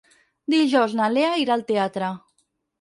Dijous na Lea irà al teatre.